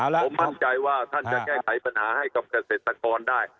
ผมมั่นใจว่าท่านจะแก้ไขปัญหาให้กับเกษตรกรได้